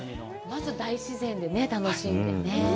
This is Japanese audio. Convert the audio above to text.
まず大自然で楽しんでね。